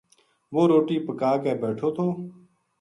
وہ روٹی پکا کے بیٹھو تھو